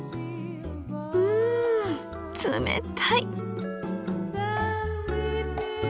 うん冷たい！